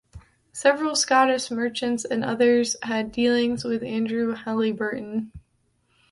Several Scottish merchants and others had dealings with Andrew Halyburton.